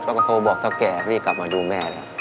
เขาก็โทรลบอกข้าวแก่เร็กปะตะกลับมาดูแม่